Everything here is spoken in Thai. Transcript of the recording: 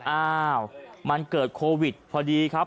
อ้าวมันเกิดโควิดพอดีครับ